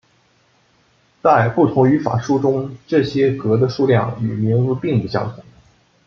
在不同的语法书中这些格的数量与名字并不相同。